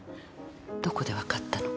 どこでわかったの？